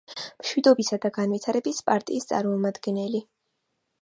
მშვიდობისა და განვითარების პარტიის წარმომადგენელი.